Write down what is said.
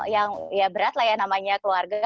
yang ya berat lah ya namanya keluarga